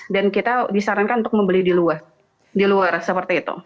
dan kita disarankan untuk membeli di luar di luar seperti itu